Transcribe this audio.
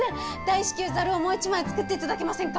大至急ざるをもう一枚作っていただけませんか？